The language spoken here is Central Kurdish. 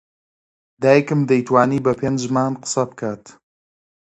دایکم دەیتوانی بە پێنج زمان قسە بکات.